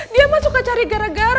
dia mah suka cari gara gara